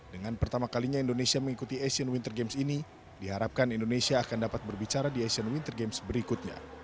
dengan pertama kalinya indonesia mengikuti asian winter games ini diharapkan indonesia akan dapat berbicara di asian winter games berikutnya